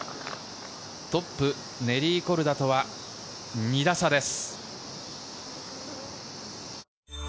トップのネリー・コルダとは２打差です。